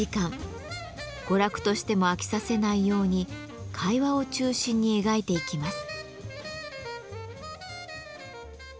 娯楽としても飽きさせないように会話を中心に描いていきます。